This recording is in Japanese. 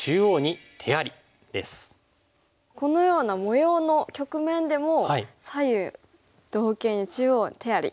このような模様の局面でも「左右同形中央に手あり」